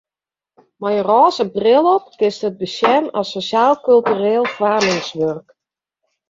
Mei in rôze bril op kinst it besjen as sosjaal-kultureel foarmingswurk.